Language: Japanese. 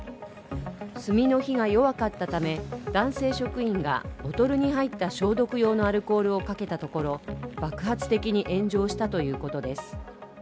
炭の火が弱かったため男性職員がボトルに入ったボトルに入った消毒用のアルコールをかけたところ爆発的に炎上したということです。